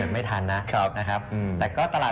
ไม่ทันได้มั้ยครับ